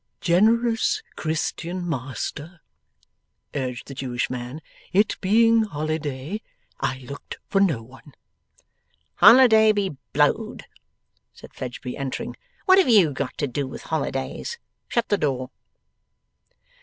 'Generous Christian master,' urged the Jewish man, 'it being holiday, I looked for no one.' 'Holiday he blowed!' said Fledgeby, entering. 'What have YOU got to do with holidays? Shut the door.